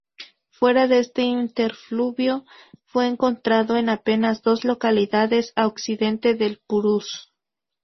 Fuera de este interfluvio, fue encontrado en apenas dos localidades a occidente del Purús.